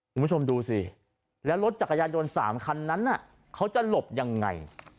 คุณผู้ชมดูสิแล้วรถจักรยานยนต์๓คันนั้นเขาจะหลบยังไง